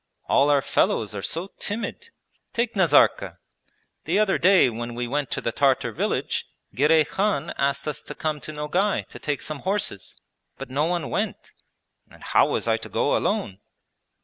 All our fellows are so timid. Take Nazarka. The other day when we went to the Tartar village, Girey Khan asked us to come to Nogay to take some horses, but no one went, and how was I to go alone?'